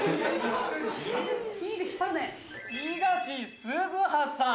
「東鈴葉さん」